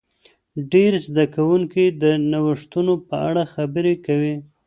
ډیر زده کوونکي د نوښتونو په اړه خبرې کوي.